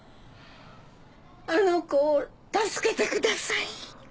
あの子を助けてください。